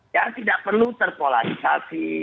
ya tidak perlu terpolarisasi